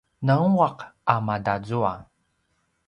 nangua’ a matazua